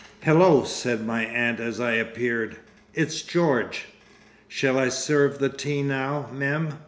"Hel lo!" said my aunt as I appeared. "It's George!" "Shall I serve the tea now, Mem?"